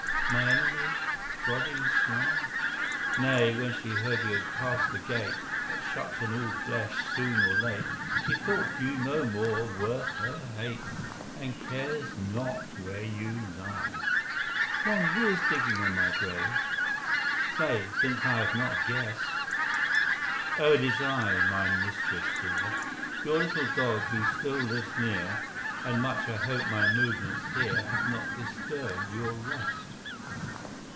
My enemy? prodding sly?" "Nay: when she heard you had passed the Gate That shuts on all flesh soon or late, She thought you no more worth her hate, And cares not where you lie. "Then, who is digging on my grave? Say since I have not guessed!" "O it is I, my mistress dear, Your little dog , who still lives near, And much I hope my movements here Have not disturbed your rest?"